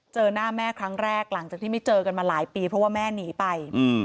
เจอหน้าแม่ครั้งแรกหลังจากที่ไม่เจอกันมาหลายปีเพราะว่าแม่หนีไป